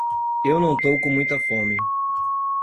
Eu não tô com muita fome.